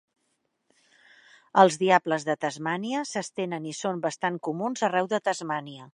Els diables de Tasmània s'estenen i són bastant comuns arreu de Tasmània.